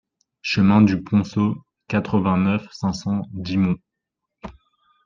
Chemin du Ponceau, quatre-vingt-neuf, cinq cents Dixmont